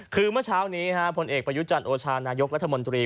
คือเมื่อเช้านี้ผลเอกประยุจันทร์โอชานายกรัฐมนตรี